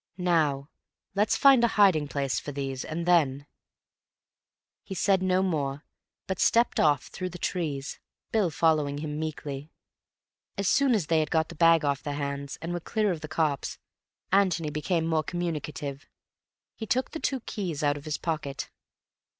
"Now let's find a hiding place for these, and then—" He said no more, but stepped off through the trees, Bill following him meekly. As soon as they had got the bag off their hands and were clear of the copse, Antony became more communicative. He took the two keys out of his pocket.